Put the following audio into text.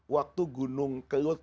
waktu gunung kelut